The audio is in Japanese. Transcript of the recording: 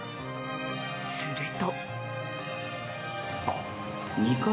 すると。